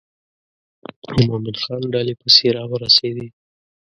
د مومن خان ډلې پسې را ورسېدې.